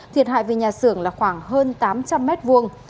thiệt hại về nhà xưởng là khoảng hơn tám trăm linh mét vuông